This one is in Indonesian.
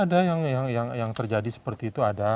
ada lah ada yang terjadi seperti itu ada